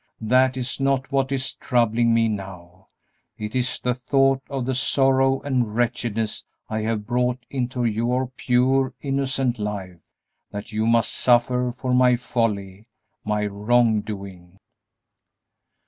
That is not what is troubling me now; it is the thought of the sorrow and wretchedness I have brought into your pure, innocent life, that you must suffer for my folly, my wrong doing."